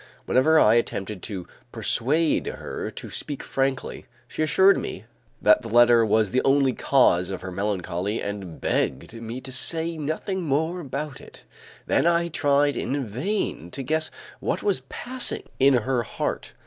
Whenever I attempted to persuade her to speak frankly, she assured me that the letter was the only cause of her melancholy and begged me to say nothing more about it. Then I tried in vain to guess what was passing in her heart.